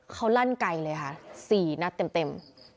เขาลั่นไกลเลยค่ะ๔นัดเต็ม